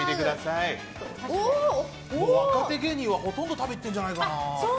若手芸人はほとんど食べに行ってるんじゃないかな。